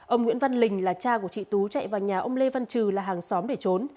ông nguyễn văn lình là cha của chị tú chạy vào nhà ông lê văn trừ là hàng xóm để trốn